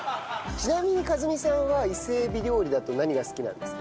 ちなみに和美さんは伊勢エビ料理だと何が好きなんですか？